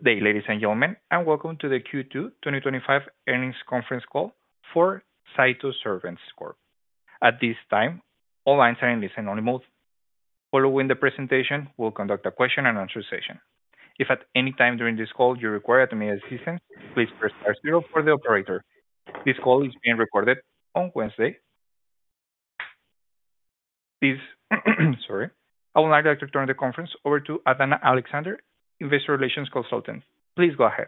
Ladies and gentlemen, welcome to the Q2 2025 earnings conference call for Cytosorbents Corp. At this time, all lines are in listen-only mode. Following the presentation, we'll conduct a question-and-answer session. If at any time during this call you require assistance, please press star zero for the operator. This call is being recorded on Wednesday. I would now like to turn the conference over to Adanna Alexander, Investor Relations Consultant. Please go ahead.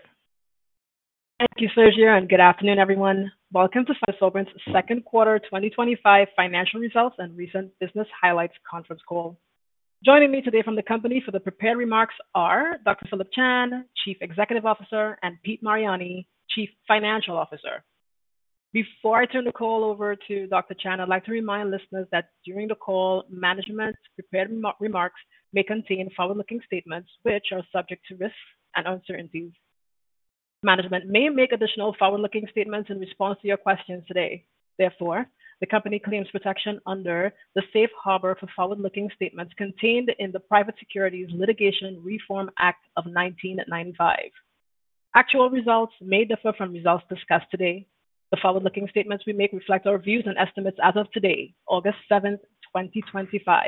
Thank you, Sergio, and good afternoon, everyone. Welcome to Cytosorbents' second quarter 2025 financial results and recent business highlights conference call. Joining me today from the company for the prepared remarks are Dr. Phillip Chan, Chief Executive Officer, and Pete Mariani, Chief Financial Officer. Before I turn the call over to Dr. Chan, I'd like to remind listeners that during the call, management's prepared remarks may contain forward-looking statements which are subject to risks and uncertainties. Management may make additional forward-looking statements in response to your questions today. Therefore, the company claims protection under the safe harbor for forward-looking statements contained in the Private Securities Litigation Reform Act of 1995. Actual results may differ from results discussed today. The forward-looking statements we make reflect our views and estimates as of today, August 7, 2025,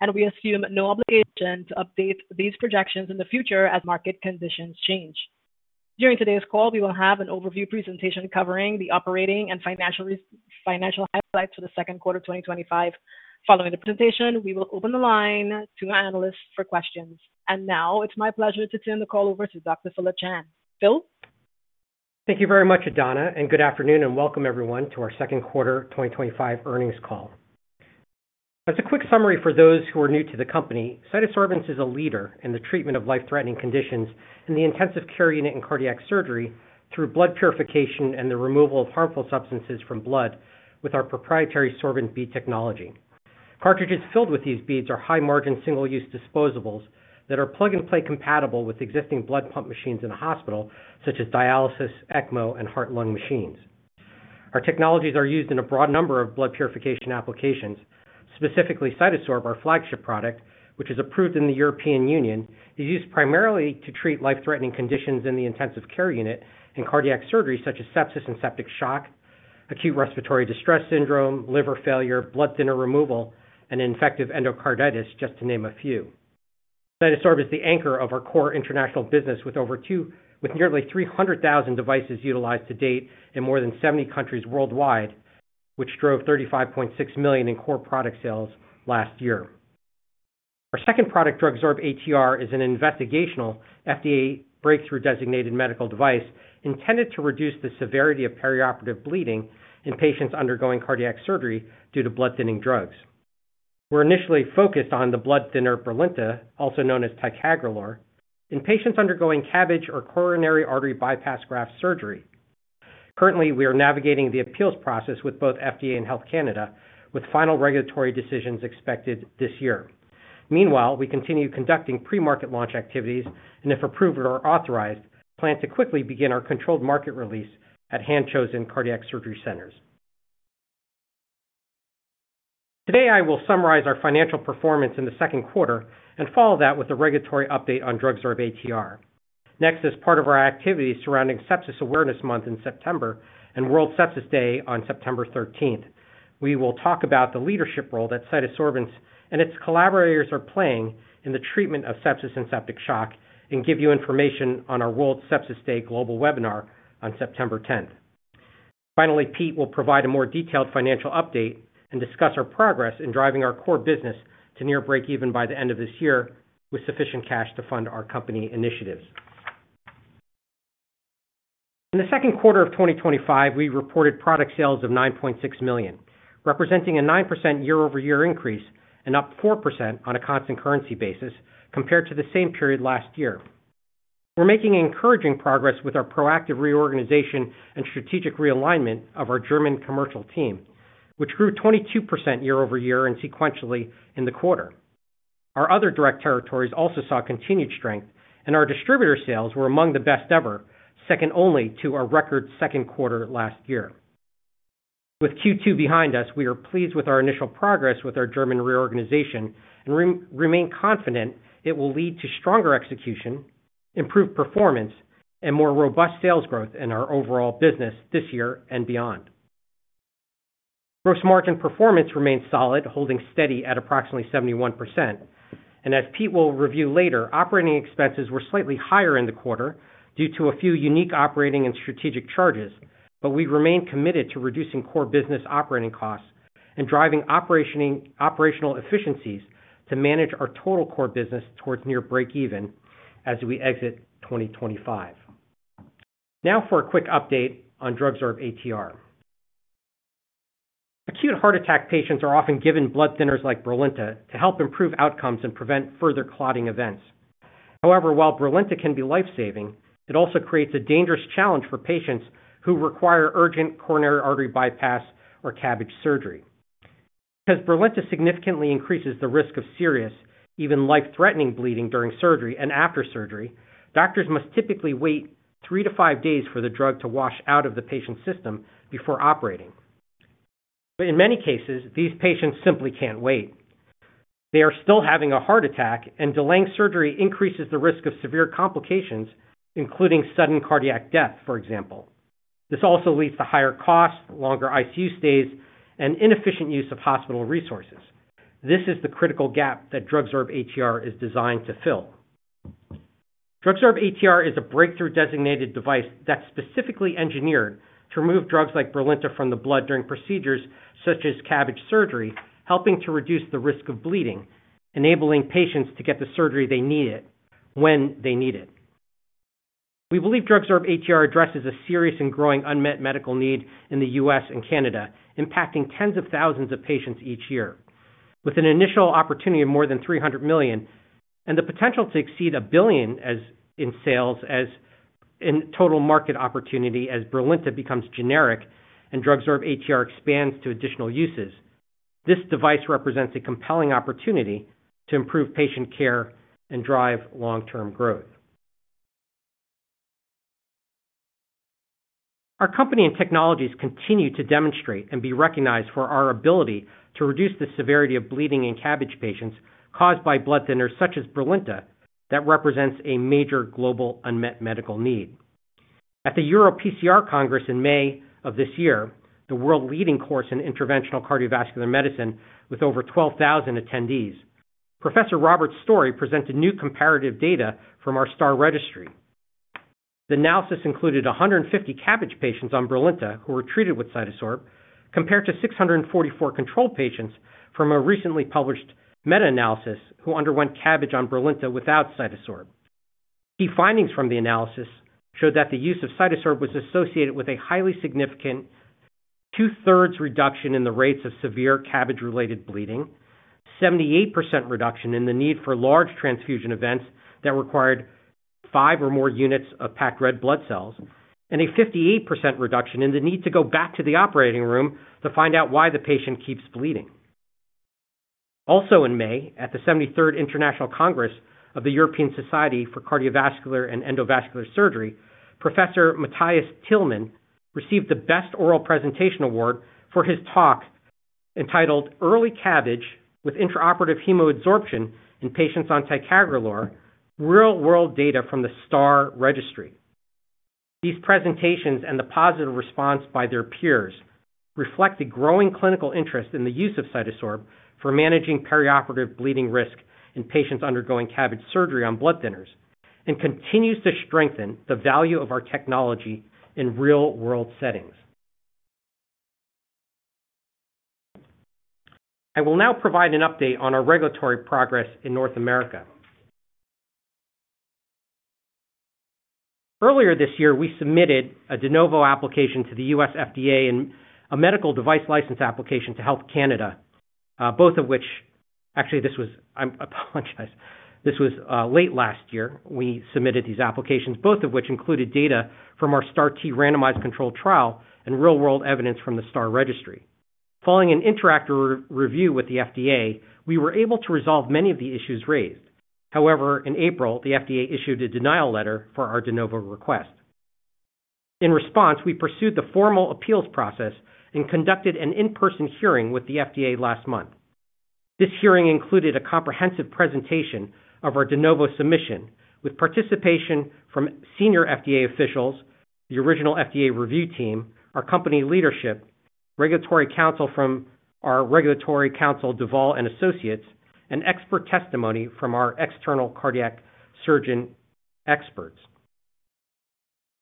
and we assume no obligation to update these projections in the future as market conditions change. During today's call, we will have an overview presentation covering the operating and financial headlines for the second quarter of 2025. Following the presentation, we will open the line to our analysts for questions. It is my pleasure to turn the call over to Dr. Phillip Chan. Phil? Thank you very much, Adanna, and good afternoon and welcome everyone to our second quarter 2025 earnings call. As a quick summary for those who are new to the company, Cytosorbents is a leader in the treatment of life-threatening conditions in the intensive care unit in cardiac surgery through blood purification and the removal of harmful substances from blood with our proprietary sorbent bead technology. Cartridges filled with these beads are high-margin single-use disposables that are plug-and-play compatible with existing blood pump machines in a hospital, such as dialysis, ECMO, and heart-lung machines. Our technologies are used in a broad number of blood purification applications. Specifically, CytoSorb, our flagship product, which is approved in the European Union, is used primarily to treat life-threatening conditions in the intensive care unit and cardiac surgery, such as sepsis and septic shock, acute respiratory distress syndrome, liver failure, blood thinner removal, and infective endocarditis, just to name a few. CytoSorb is the anchor of our core international business with nearly 300,000 devices utilized to date in more than 70 countries worldwide, which drove $35.6 million in core product sales last year. Our second product, DrugSorb-ATR, is an investigational FDA breakthrough designated medical device intended to reduce the severity of perioperative bleeding in patients undergoing cardiac surgery due to blood thinning drugs. We're initially focused on the blood thinner Brilinta, also known as ticagrelor, in patients undergoing CABG or coronary artery bypass graft surgery. Currently, we are navigating the appeals process with both FDA and Health Canada, with final regulatory decisions expected this year. Meanwhile, we continue conducting pre-market launch activities and, if approved or authorized, plan to quickly begin our controlled market release at hand-chosen cardiac surgery centers. Today, I will summarize our financial performance in the second quarter and follow that with the regulatory update on DrugSorb-ATR. Next, as part of our activities surrounding Sepsis Awareness Month in September and World Sepsis Day on September 13th, we will talk about the leadership role that Cytosorbents and its collaborators are playing in the treatment of sepsis and septic shock and give you information on our World Sepsis Day global webinar on September 10th. Finally, Pete will provide a more detailed financial update and discuss our progress in driving our core business to near breakeven by the end of this year with sufficient cash to fund our company initiatives. In the second quarter of 2025, we reported product sales of $9.6 million, representing a 9% year-over-year increase and up 4% on a constant currency basis compared to the same period last year. We're making encouraging progress with our proactive reorganization and strategic realignment of our German commercial team, which grew 22% year-over-year and sequentially in the quarter. Our other direct territories also saw continued strength, and our distributor sales were among the best ever, second only to our record second quarter last year. With Q2 behind us, we are pleased with our initial progress with our German reorganization and remain confident it will lead to stronger execution, improved performance, and more robust sales growth in our overall business this year and beyond. Gross margin performance remains solid, holding steady at approximately 71%. As Pete will review later, operating expenses were slightly higher in the quarter due to a few unique operating and strategic charges, but we remain committed to reducing core business operating costs and driving operational efficiencies to manage our total core business towards near breakeven as we exit 2025. Now for a quick update on DrugSorb-ATR. Acute heart attack patients are often given blood thinners like Brilinta to help improve outcomes and prevent further clotting events. However, while Brilinta can be life-saving, it also creates a dangerous challenge for patients who require urgent coronary artery bypass or CABG surgery. Because Brilinta significantly increases the risk of serious, even life-threatening bleeding during surgery and after surgery, doctors must typically wait three to five days for the drug to wash out of the patient's system before operating. In many cases, these patients simply can't wait. They are still having a heart attack, and delaying surgery increases the risk of severe complications, including sudden cardiac death, for example. This also leads to higher costs, longer ICU stays, and inefficient use of hospital resources. This is the critical gap that DrugSorb-ATR is designed to fill. DrugSorb-ATR is a breakthrough designated device that's specifically engineered to remove drugs like Brilinta from the blood during procedures such as CABG surgery, helping to reduce the risk of bleeding, enabling patients to get the surgery they need when they need it. We believe DrugSorb-ATR addresses a serious and growing unmet medical need in the U.S. and Canada, impacting tens of thousands of patients each year. With an initial opportunity of more than $300 million and the potential to exceed $1 billion in sales as total market opportunity as Brilinta becomes generic and DrugSorb-ATR expands to additional uses, this device represents a compelling opportunity to improve patient care and drive long-term growth. Our company and technologies continue to demonstrate and be recognized for our ability to reduce the severity of bleeding in CABG patients caused by blood thinners such as Brilinta that represents a major global unmet medical need. At the EuroPCR Congress in May of this year, the world-leading course in interventional cardiovascular medicine with over 12,000 attendees, Professor Robert Storey presented new comparative data from our STAR registry. The analysis included 150 CABG patients on Brilinta who were treated with CytoSorb compared to 644 control patients from a recently published meta-analysis who underwent CABG on Brilinta without CytoSorb. Key findings from the analysis showed that the use of CytoSorb was associated with a highly significant two-thirds reduction in the rates of severe CABG-related bleeding, a 78% reduction in the need for large transfusion events that required five or more units of packed red blood cells, and a 58% reduction in the need to go back to the operating room to find out why the patient keeps bleeding. Also in May, at the 73rd International Congress of the European Society for Cardiovascular and Endovascular Surgery, Professor Matthias Thielmann received the Best Oral Presentation Award for his talk entitled "Early CABG with Intraoperative Hemoabsorption in Patients on Ticagrelor: Real World Data from the STAR Registry." These presentations and the positive response by their peers reflect a growing clinical interest in the use of CytoSorb for managing perioperative bleeding risk in patients undergoing CABG surgery on blood thinners and continues to strengthen the value of our technology in real-world settings. I will now provide an update on our regulatory progress in North America. Earlier this year, we submitted a de novo application to the U.S. FDA and a medical device license application to Health Canada, both of which, actually this was, I apologize, this was late last year. We submitted these applications, both of which included data from our STAR-T randomized control trial and real-world evidence from the STAR registry. Following an interactive review with the FDA, we were able to resolve many of the issues raised. However, in April, the FDA issued a denial letter for our de novo request. In response, we pursued the formal appeals process and conducted an in-person hearing with the FDA last month. This hearing included a comprehensive presentation of our de novo submission with participation from senior FDA officials, the original FDA review team, our company leadership, regulatory counsel from our regulatory counsel Duvall and Associates, and expert testimony from our external cardiac surgeon experts.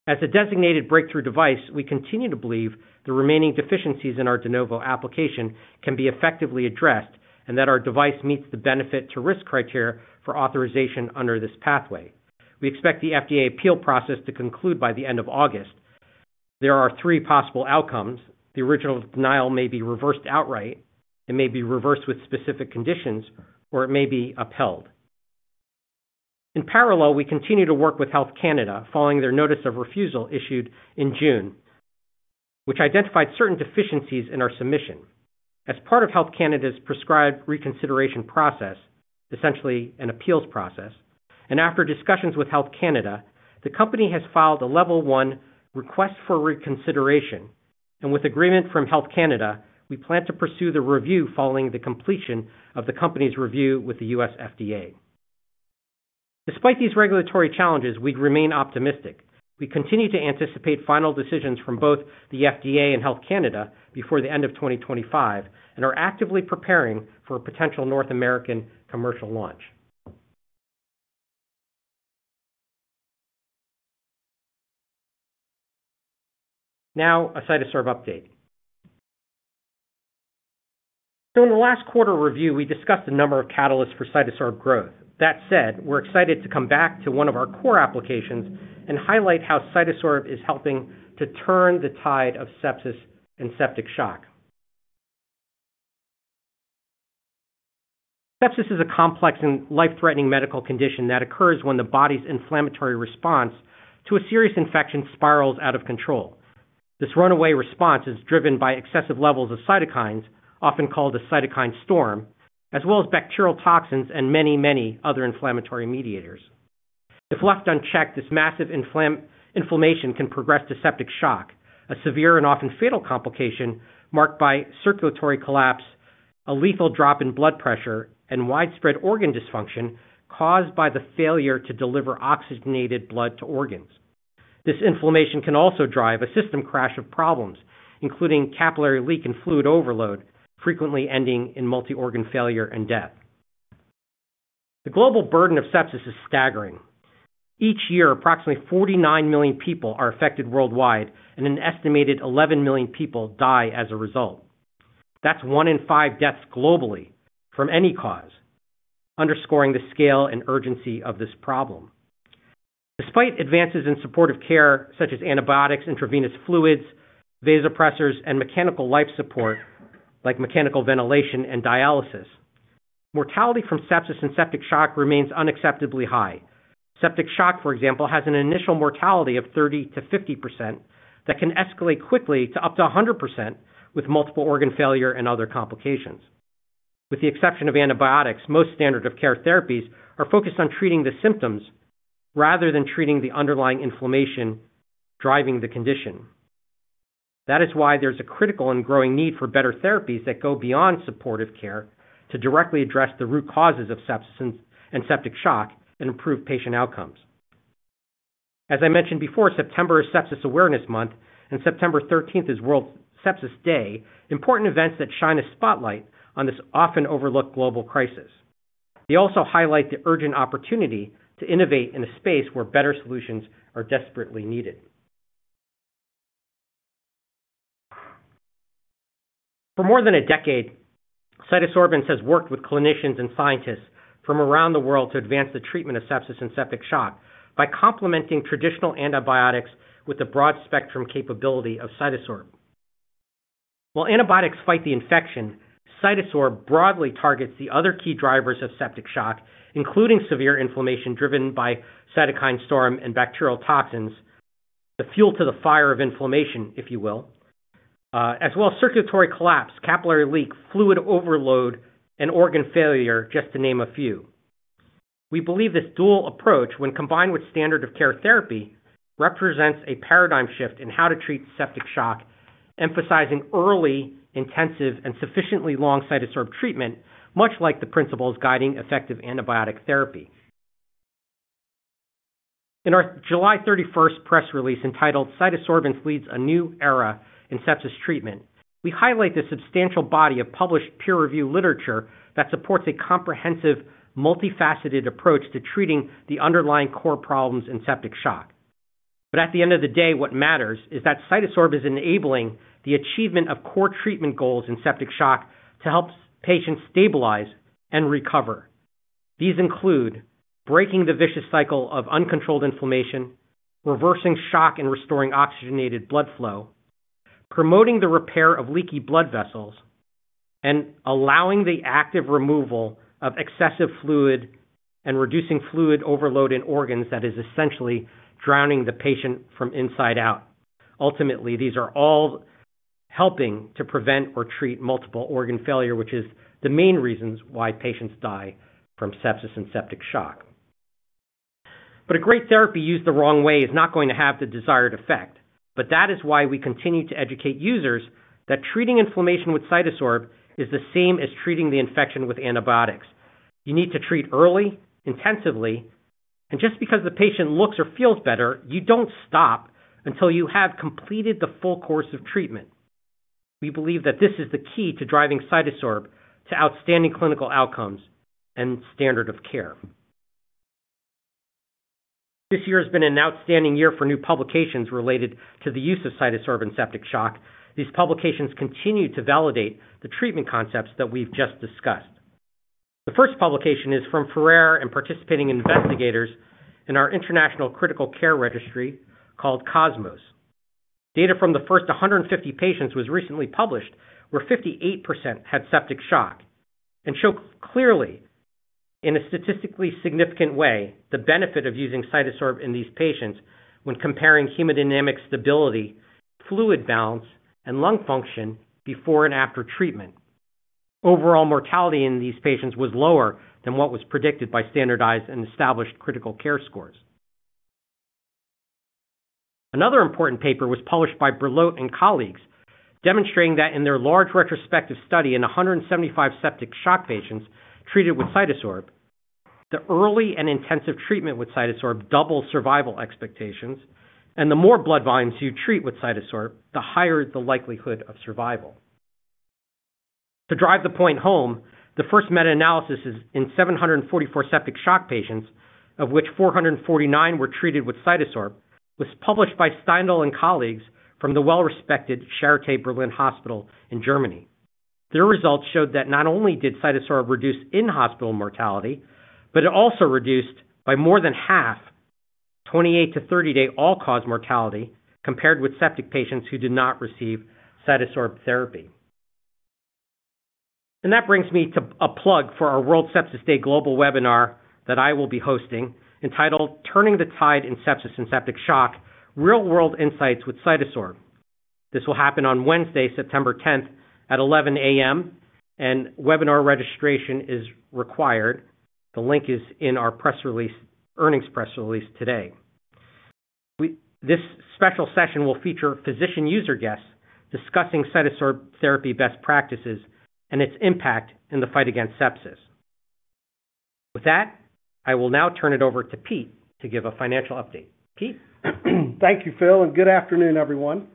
As a designated breakthrough device, we continue to believe the remaining deficiencies in our de novo application can be effectively addressed and that our device meets the benefit-to-risk criteria for authorization under this pathway. We expect the FDA appeal process to conclude by the end of August. There are three possible outcomes: the original denial may be reversed outright, it may be reversed with specific conditions, or it may be upheld. In parallel, we continue to work with Health Canada following their notice of refusal issued in June, which identified certain deficiencies in our submission. As part of Health Canada's prescribed reconsideration process, essentially an appeals process, and after discussions with Health Canada, the company has filed a Level 1 request for reconsideration, and with agreement from Health Canada, we plan to pursue the review following the completion of the company's review with the U.S. FDA. Despite these regulatory challenges, we remain optimistic. We continue to anticipate final decisions from both the FDA and Health Canada before the end of 2025 and are actively preparing for a potential North American commercial launch. Now, a CytoSorb update. In the last quarter review, we discussed a number of catalysts for CytoSorb growth. That said, we're excited to come back to one of our core applications and highlight how CytoSorb is helping to turn the tide of sepsis and septic shock. Sepsis is a complex and life-threatening medical condition that occurs when the body's inflammatory response to a serious infection spirals out of control. This runaway response is driven by excessive levels of cytokines, often called a cytokine storm, as well as bacterial toxins and many, many other inflammatory mediators. If left unchecked, this massive inflammation can progress to septic shock, a severe and often fatal complication marked by circulatory collapse, a lethal drop in blood pressure, and widespread organ dysfunction caused by the failure to deliver oxygenated blood to organs. This inflammation can also drive a system crash of problems, including capillary leak and fluid overload, frequently ending in multi-organ failure and death. The global burden of sepsis is staggering. Each year, approximately 49 million people are affected worldwide, and an estimated 11 million people die as a result. That's one in five deaths globally from any cause, underscoring the scale and urgency of this problem. Despite advances in supportive care, such as antibiotics, intravenous fluids, vasopressors, and mechanical life support, like mechanical ventilation and dialysis, mortality from sepsis and septic shock remains unacceptably high. Septic shock, for example, has an initial mortality of 30%-50% that can escalate quickly to up to 100% with multiple organ failure and other complications. With the exception of antibiotics, most standard-of-care therapies are focused on treating the symptoms rather than treating the underlying inflammation driving the condition. That is why there's a critical and growing need for better therapies that go beyond supportive care to directly address the root causes of sepsis and septic shock and improve patient outcomes. As I mentioned before, September is Sepsis Awareness Month, and September 13th is World Sepsis Day, important events that shine a spotlight on this often overlooked global crisis. They also highlight the urgent opportunity to innovate in a space where better solutions are desperately needed. For more than a decade, Cytosorbents has worked with clinicians and scientists from around the world to advance the treatment of sepsis and septic shock by complementing traditional antibiotics with the broad spectrum capability of CytoSorb. While antibiotics fight the infection, CytoSorb broadly targets the other key drivers of septic shock, including severe inflammation driven by cytokine storm and bacterial toxins, the fuel to the fire of inflammation, if you will, as well as circulatory collapse, capillary leak, fluid overload, and organ failure, just to name a few. We believe this dual approach, when combined with standard-of-care therapy, represents a paradigm shift in how to treat septic shock, emphasizing early, intensive, and sufficiently long CytoSorb treatment, much like the principles guiding effective antibiotic therapy. In our July 31, 2023 press release entitled "Cytosorbents Leads a New Era in Sepsis Treatment," we highlight the substantial body of published peer-reviewed literature that supports a comprehensive, multifaceted approach to treating the underlying core problems in septic shock. At the end of the day, what matters is that CytoSorb is enabling the achievement of core treatment goals in septic shock to help patients stabilize and recover. These include breaking the vicious cycle of uncontrolled inflammation, reversing shock, and restoring oxygenated blood flow, promoting the repair of leaky blood vessels, and allowing the active removal of excessive fluid and reducing fluid overload in organs that is essentially drowning the patient from inside out. Ultimately, these are all helping to prevent or treat multiple organ failure, which is the main reason why patients die from sepsis and septic shock. A great therapy used the wrong way is not going to have the desired effect. That is why we continue to educate users that treating inflammation with CytoSorb is the same as treating the infection with antibiotics. You need to treat early, intensively, and just because the patient looks or feels better, you don't stop until you have completed the full course of treatment. We believe that this is the key to driving CytoSorb to outstanding clinical outcomes and standard of care. This year has been an outstanding year for new publications related to the use of CytoSorb in septic shock. These publications continue to validate the treatment concepts that we've just discussed. The first publication is from Ferrer and participating investigators in our International Critical Care Registry called COSMOS. Data from the first 150 patients was recently published, where 58% had septic shock, and show clearly, in a statistically significant way, the benefit of using CytoSorb in these patients when comparing hemodynamic stability, fluid balance, and lung function before and after treatment. Overall mortality in these patients was lower than what was predicted by standardized and established critical care scores. Another important paper was published by Brelote and colleagues, demonstrating that in their large retrospective study in 175 septic shock patients treated with CytoSorb, the early and intensive treatment with CytoSorb doubles survival expectations, and the more blood volumes you treat with CytoSorb, the higher the likelihood of survival. To drive the point home, the first meta-analysis in 744 septic shock patients, of which 449 were treated with CytoSorb, was published by Steindl and colleagues from the well-respected Charité Berlin Hospital in Germany. Their results showed that not only did CytoSorb reduce in-hospital mortality, but it also reduced by more than half 28 to 30-day all-cause mortality compared with septic patients who did not receive CytoSorb therapy. That brings me to a plug for our World Sepsis Day global webinar that I will be hosting, entitled "Turning the Tide in Sepsis and Septic Shock: Real-World Insights with CytoSorb." This will happen on Wednesday, September 10th, at 11:00 A.M., and webinar registration is required. The link is in our press release, earnings press release today. This special session will feature physician user guests discussing CytoSorb therapy best practices and its impact in the fight against sepsis. With that, I will now turn it over to Pete to give a financial update. Pete. Thank you, Phil, and good afternoon, everyone.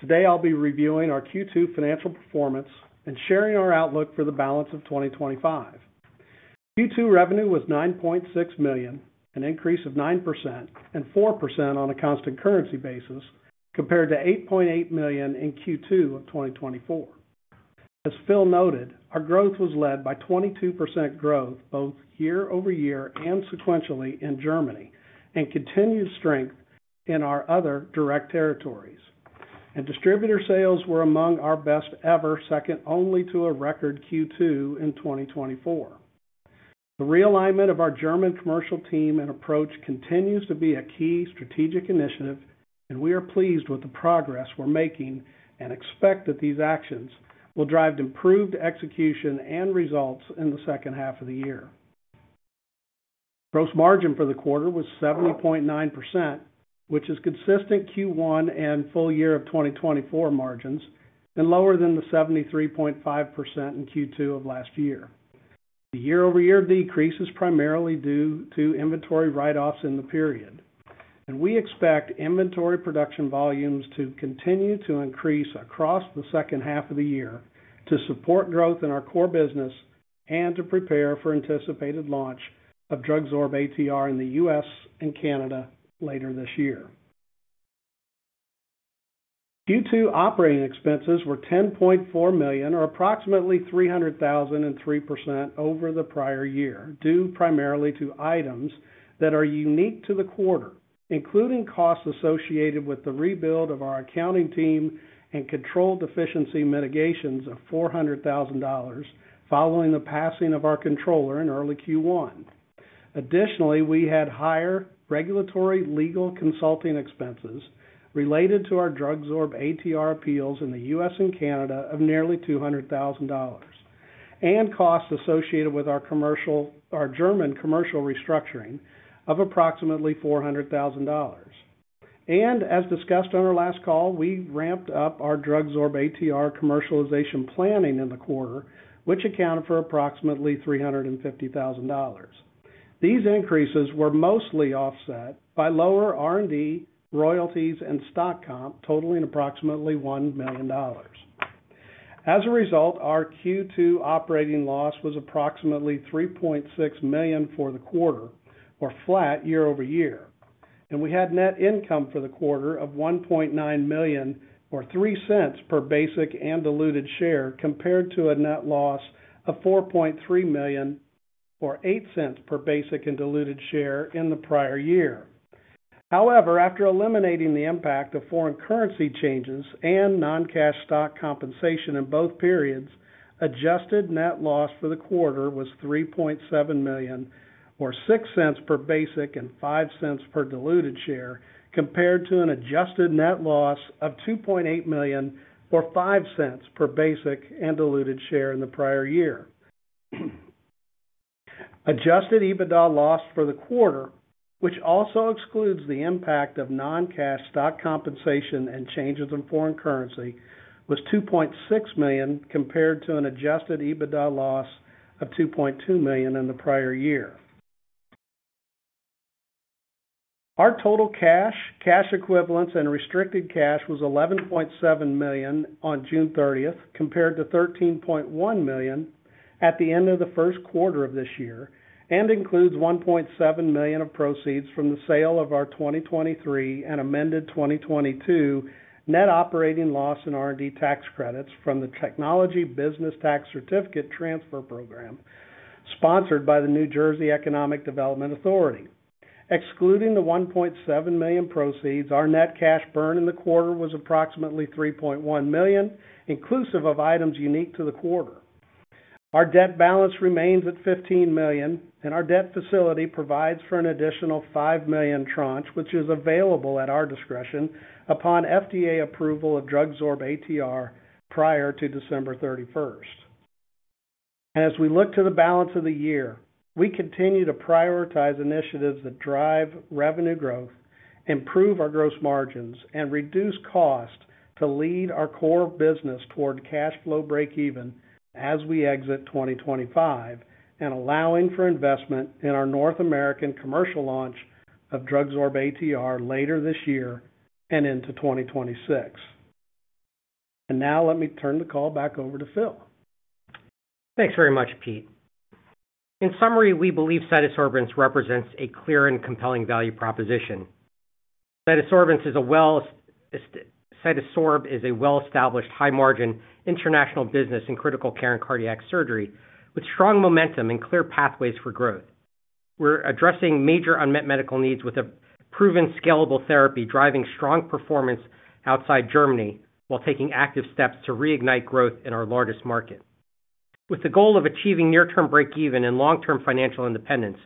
Today, I'll be reviewing our Q2 financial performance and sharing our outlook for the balance of 2025. Q2 revenue was $9.6 million, an increase of 9% and 4% on a constant currency basis, compared to $8.8 million in Q2 of 2024. As Phil noted, our growth was led by 22% growth, both year over year and sequentially in Germany, and continued strength in our other direct territories. Distributor sales were among our best ever, second only to a record Q2 in 2024. The realignment of our German commercial team and approach continues to be a key strategic initiative, and we are pleased with the progress we're making and expect that these actions will drive improved execution and results in the second half of the year. Gross margin for the quarter was 70.9%, which is consistent with Q1 and full year 2024 margins, and lower than the 73.5% in Q2 of last year. The year-over-year decrease is primarily due to inventory write-offs in the period, and we expect inventory production volumes to continue to increase across the second half of the year to support growth in our core business and to prepare for anticipated launch of DrugSorb-ATR in the U.S. and Canada later this year. Q2 operating expenses were $10.4 million, or approximately 3% over the prior year, due primarily to items that are unique to the quarter, including costs associated with the rebuild of our accounting team and control deficiency mitigations of $400,000 following the passing of our controller in early Q1. Additionally, we had higher regulatory legal consulting expenses related to our DrugSorb-ATR appeals in the U.S. and Canada of nearly $200,000 and costs associated with our German commercial restructuring of approximately $400,000. As discussed on our last call, we ramped up our DrugSorb-ATR commercialization planning in the quarter, which accounted for approximately $350,000. These increases were mostly offset by lower R&D, royalties, and stock compensation, totaling approximately $1 million. As a result, our Q2 operating loss was approximately $3.6 million for the quarter, or flat year over year. We had net income for the quarter of $1.9 million, or $0.03 per basic and diluted share, compared to a net loss of $4.3 million, or $0.08 per basic and diluted share in the prior year. However, after eliminating the impact of foreign currency changes and non-cash stock compensation in both periods, adjusted net loss for the quarter was $3.7 million, or $0.06 per basic and $0.05 per diluted share, compared to an adjusted net loss of $2.8 million, or $0.05 per basic and diluted share in the prior year. Adjusted EBITDA loss for the quarter, which also excludes the impact of non-cash stock compensation and changes in foreign currency, was $2.6 million compared to an adjusted EBITDA loss of $2.2 million in the prior year. Our total cash, cash equivalents, and restricted cash was $11.7 million on June 30, compared to $13.1 million at the end of the first quarter of this year, and includes $1.7 million of proceeds from the sale of our 2023 and amended 2022 net operating loss and R&D tax credits from the Technology Business Tax Certificate Transfer Program, sponsored by the New Jersey Economic Development Authority. Excluding the $1.7 million proceeds, our net cash burn in the quarter was approximately $3.1 million, inclusive of items unique to the quarter. Our debt balance remains at $15 million, and our debt facility provides for an additional $5 million tranche, which is available at our discretion upon FDA approval of DrugSorb-ATR prior to December 31. As we look to the balance of the year, we continue to prioritize initiatives that drive revenue growth, improve our gross margins, and reduce costs to lead our core business toward cash flow breakeven as we exit 2025, allowing for investment in our North American commercial launch of DrugSorb-ATR later this year and into 2026. Now, let me turn the call back over to Phil. Thanks very much, Pete. In summary, we believe Cytosorbents represents a clear and compelling value proposition. Cytosorbents is a well-established, high-margin international business in critical care and cardiac surgery, with strong momentum and clear pathways for growth. We're addressing major unmet medical needs with a proven scalable therapy, driving strong performance outside Germany, while taking active steps to reignite growth in our largest market. With the goal of achieving near-term breakeven and long-term financial independence,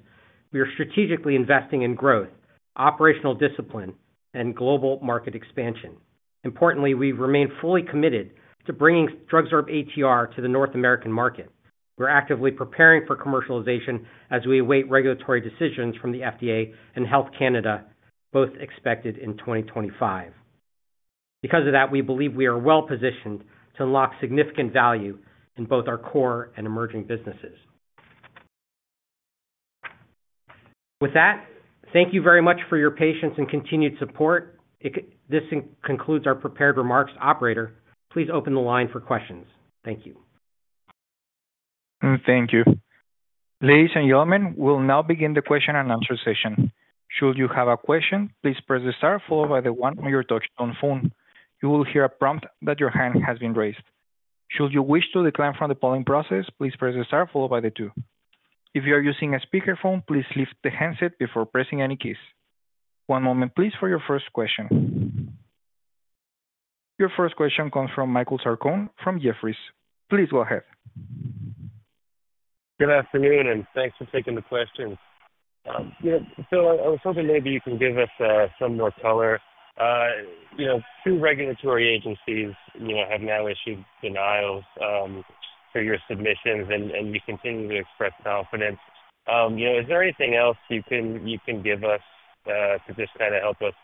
we are strategically investing in growth, operational discipline, and global market expansion. Importantly, we remain fully committed to bringing DrugSorb-ATR to the North American market. We're actively preparing for commercialization as we await regulatory decisions from the FDA and Health Canada, both expected in 2025. Because of that, we believe we are well positioned to unlock significant value in both our core and emerging businesses. With that, thank you very much for your patience and continued support. This concludes our prepared remarks. Operator, please open the line for questions. Thank you. Thank you. Ladies and gentlemen, we'll now begin the question and answer session. Should you have a question, please press the star followed by the one on your touch-tone phone. You will hear a prompt that your hand has been raised. Should you wish to decline from the polling process, please press the star followed by the two. If you are using a speaker phone, please lift the handset before pressing any keys. One moment, please, for your first question. Your first question comes from Michael Sarcone from Jefferies. Please go ahead. Good afternoon, and thanks for taking the question. Phil, I was hoping maybe you can give us some more color. Two regulatory agencies have now issued denials for your submissions, and you continue to express confidence. Is there anything else you can give us to just kind of help us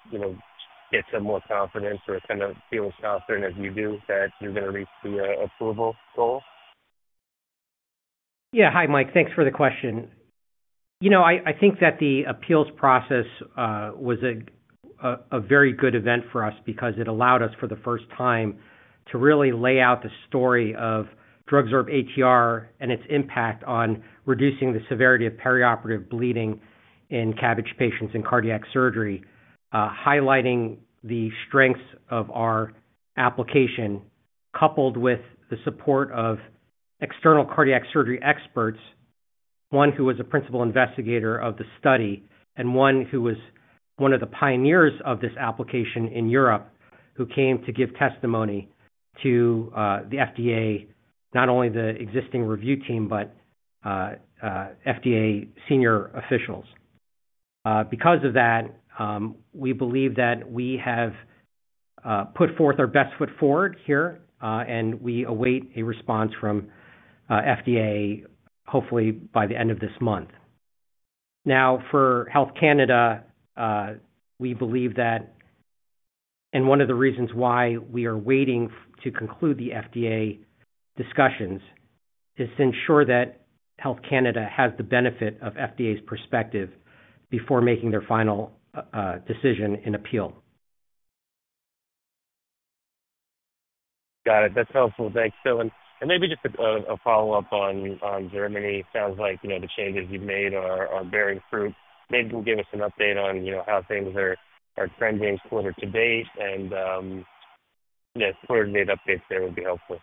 get some more confidence or kind of feel as confident as you do that you're going to reach the approval goal? Yeah. Hi, Mike. Thanks for the question. I think that the appeals process was a very good event for us because it allowed us, for the first time, to really lay out the story of DrugSorb-ATR and its impact on reducing the severity of perioperative bleeding in CABG patients and cardiac surgery, highlighting the strengths of our application coupled with the support of external cardiac surgery experts, one who was a principal investigator of the study and one who was one of the pioneers of this application in Europe, who came to give testimony to the FDA, not only the existing review team, but FDA senior officials. Because of that, we believe that we have put forth our best foot forward here, and we await a response from FDA, hopefully by the end of this month. Now, for Health Canada, we believe that, and one of the reasons why we are waiting to conclude the FDA discussions is to ensure that Health Canada has the benefit of FDA's perspective before making their final decision in appeal. Got it. That's helpful. Thanks, Phil. Maybe just a follow-up on Germany. It sounds like the changes you've made are bearing fruit. Maybe you'll give us an update on how things are trending for today, and further updates there would be helpful.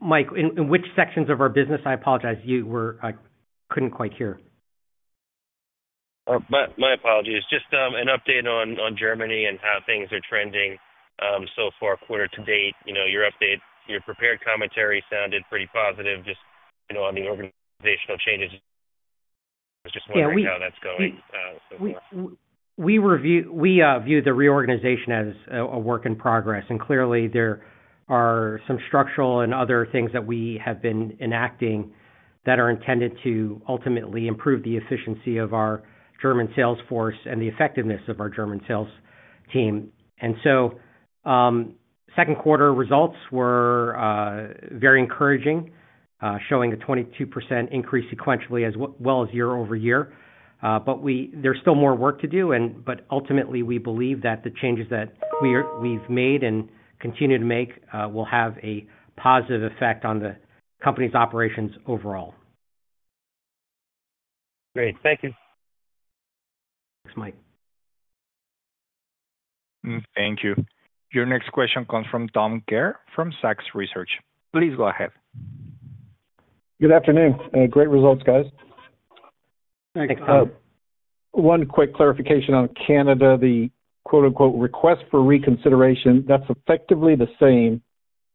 Mike, in which sections of our business? I apologize. I couldn't quite hear. My apologies. Just an update on Germany and how things are trending so far quarter to date. Your update, your prepared commentary sounded pretty positive, just on the organizational changes. I was just wondering how that's going so far. We reviewed the reorganization as a work in progress, and clearly, there are some structural and other things that we have been enacting that are intended to ultimately improve the efficiency of our German sales force and the effectiveness of our German sales team. Second quarter results were very encouraging, showing a 22% increase sequentially as well as year over year. There is still more work to do, but ultimately, we believe that the changes that we've made and continue to make will have a positive effect on the company's operations overall. Great. Thank you. Thanks, Mike. Thank you. Your next question comes from Tom Kerr from Zacks Small Cap Research. Please go ahead. Good afternoon. Great results, guys. Thanks, Tom. One quick clarification on Canada. The "request for reconsideration," that's effectively the same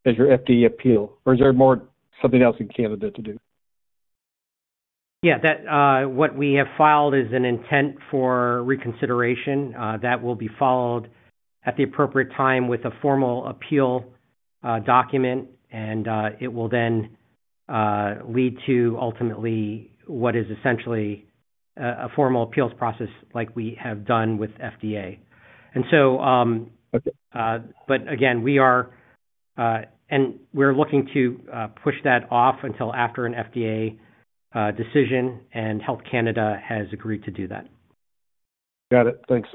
as your FDA appeal, or is there more something else in Canada to do? Yeah, what we have filed is an intent for reconsideration that will be followed at the appropriate time with a formal appeal document, and it will then lead to ultimately what is essentially a formal appeals process like we have done with FDA. We are looking to push that off until after an FDA decision, and Health Canada has agreed to do that. Got it. Thanks.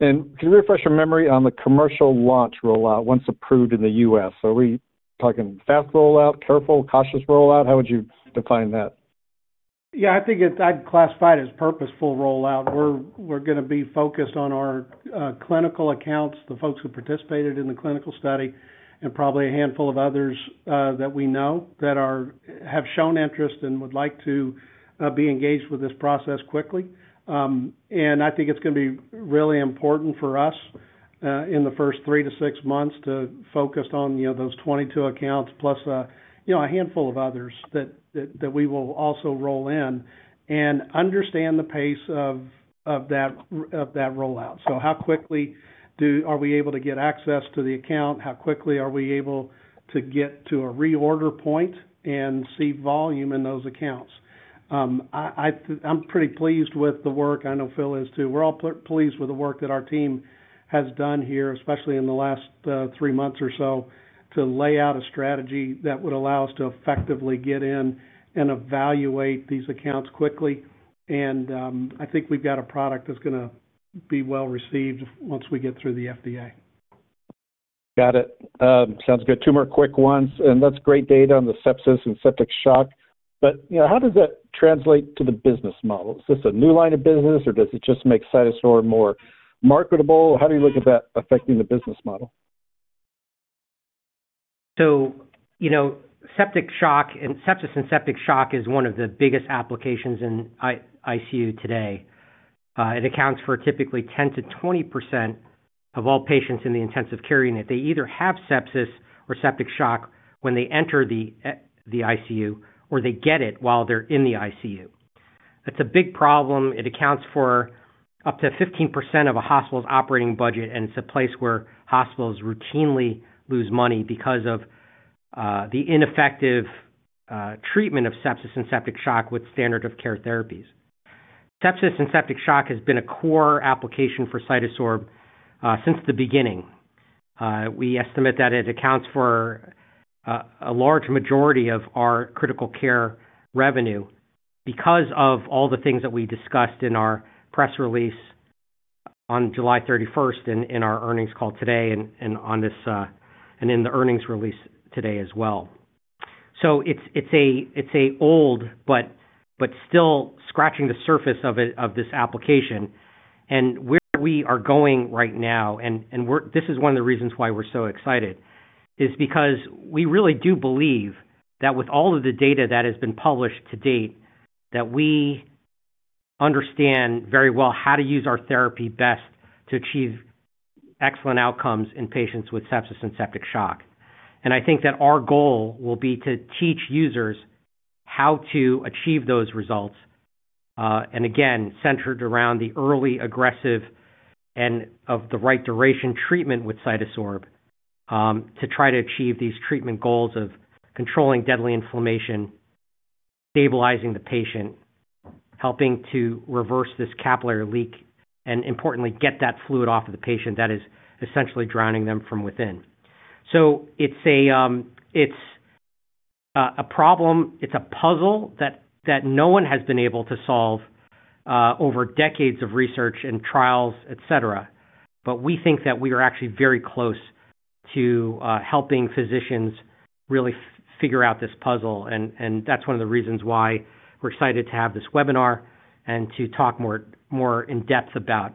Can you refresh your memory on the commercial launch rollout once approved in the U.S.? Are we talking fast rollout, careful, cautious rollout? How would you define that? Yeah, I think I'd classify it as purposeful rollout. We're going to be focused on our clinical accounts, the folks who participated in the clinical study, and probably a handful of others that we know that have shown interest and would like to be engaged with this process quickly. I think it's going to be really important for us in the first three to six months to focus on those 22 accounts plus a handful of others that we will also roll in and understand the pace of that rollout. How quickly are we able to get access to the account? How quickly are we able to get to a reorder point and see volume in those accounts? I'm pretty pleased with the work. I know Phil is too. We're all pleased with the work that our team has done here, especially in the last three months or so, to lay out a strategy that would allow us to effectively get in and evaluate these accounts quickly. I think we've got a product that's going to be well received once we get through the FDA. Got it. Sounds good. Two more quick ones. That's great data on the sepsis and septic shock. How does that translate to the business model? Is this a new line of business, or does it just make CytoSorb more marketable? How do you look at that affecting the business model? Septic shock and sepsis and septic shock is one of the biggest applications in ICU today. It accounts for typically 10%-20% of all patients in the intensive care unit. They either have sepsis or septic shock when they enter the ICU or they get it while they're in the ICU. That's a big problem. It accounts for up to 15% of a hospital's operating budget, and it's a place where hospitals routinely lose money because of the ineffective treatment of sepsis and septic shock with standard-of-care therapies. Sepsis and septic shock has been a core application for CytoSorb since the beginning. We estimate that it accounts for a large majority of our critical care revenue because of all the things that we discussed in our press release on July 31 and in our earnings call today and in the earnings release today as well. It's an old but still scratching the surface of this application. Where we are going right now, and this is one of the reasons why we're so excited, is because we really do believe that with all of the data that has been published to date, we understand very well how to use our therapy best to achieve excellent outcomes in patients with sepsis and septic shock. I think that our goal will be to teach users how to achieve those results, and again, centered around the early aggressive and of the right duration treatment with CytoSorb to try to achieve these treatment goals of controlling deadly inflammation, stabilizing the patient, helping to reverse this capillary leak, and importantly, get that fluid off of the patient that is essentially drowning them from within. It's a problem, it's a puzzle that no one has been able to solve over decades of research and trials, et cetera. We think that we are actually very close to helping physicians really figure out this puzzle, and that's one of the reasons why we're excited to have this webinar and to talk more in depth about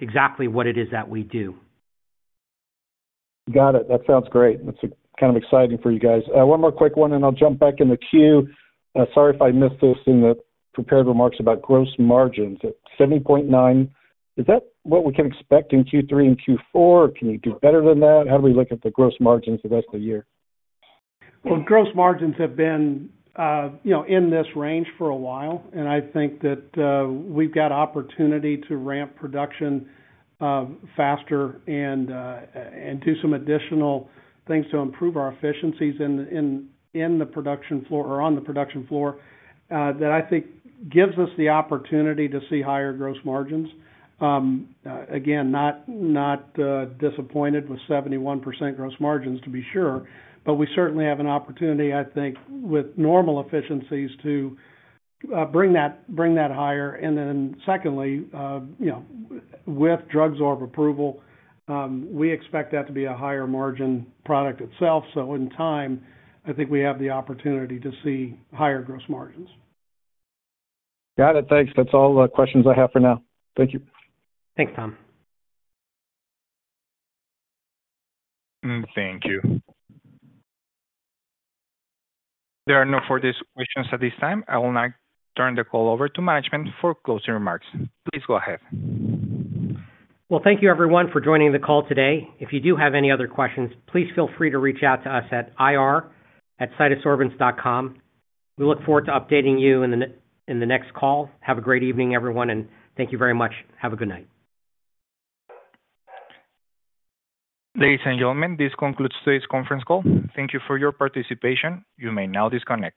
exactly what it is that we do. Got it. That sounds great. That's kind of exciting for you guys. One more quick one, and I'll jump back in the queue. Sorry if I missed this in the prepared remarks about gross margins. At 70.9%, is that what we can expect in Q3 and Q4, or can you do better than that? How do we look at the gross margins the rest of the year? Gross margins have been in this range for a while, and I think that we've got opportunity to ramp production faster and do some additional things to improve our efficiencies on the production floor that I think gives us the opportunity to see higher gross margins. Again, not disappointed with 71% gross margins to be sure, but we certainly have an opportunity, I think, with normal efficiencies to bring that higher. Secondly, with DrugSorb-ATR approval, we expect that to be a higher margin product itself. In time, I think we have the opportunity to see higher gross margins. Got it. Thanks. That's all the questions I have for now. Thank you. Thanks, Tom. Thank you. There are no further questions at this time. I will now turn the call over to management for closing remarks. Please go ahead. Thank you, everyone, for joining the call today. If you do have any other questions, please feel free to reach out to us at ir@cytosorbents.com. We look forward to updating you in the next call. Have a great evening, everyone, and thank you very much. Have a good night. Ladies and gentlemen, this concludes today's conference call. Thank you for your participation. You may now disconnect.